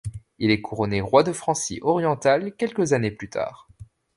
Il est couronné roi de Francie orientale quelques années plus tard.